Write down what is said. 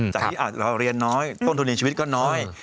จากที่เราเรียนน้อยต้นทุนในชีวิตก็น้อย